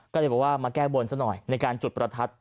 ก็เลยบอกว่ามาแก้บนซะหน่อยในการจุดประทัด